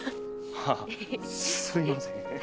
ああすいません。